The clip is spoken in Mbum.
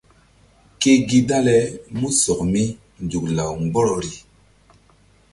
Ke gi dale músɔk mi nzuk law mgbɔrɔri.